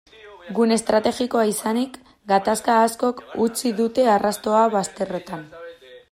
Gune estrategikoa izanik, gatazka askok utzi dute arrastoa bazterrotan.